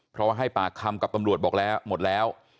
เพราะให้ปากคำกับตำรวจบอกแล้วหมดแล้ว